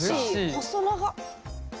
細長っ。